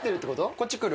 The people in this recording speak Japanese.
こっち来る？